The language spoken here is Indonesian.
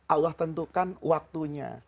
allah tentukan waktunya